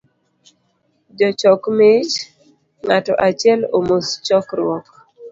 Jochok mich, ng’ato achiel omos chokruok